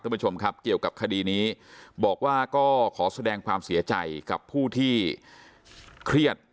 ท่านผู้ชมครับเกี่ยวกับคดีนี้บอกว่าก็ขอแสดงความเสียใจกับผู้ที่เครียด